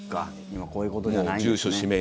今こういうことじゃないんですね。